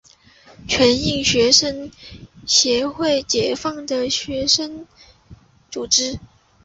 全印学生协会解放的学生组织。